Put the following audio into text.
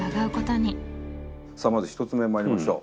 さあまず１つ目まいりましょう。